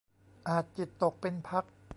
อาจจิตตกเป็นพัก